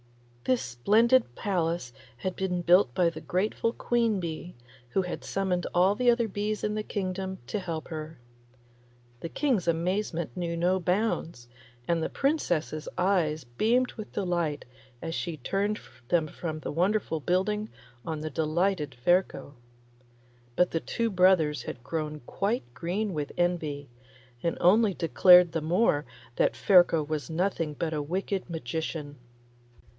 This splendid palace had been built by the grateful queen bee, who had summoned all the other bees in the kingdom to help her. The King's amazement knew no bounds, and the Princess's eyes beamed with delight as she turned them from the wonderful building on the delighted Ferko. But the two brothers had grown quite green with envy, and only declared the more that Ferko was nothing but a wicked magician.